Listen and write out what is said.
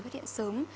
phát hiện sớm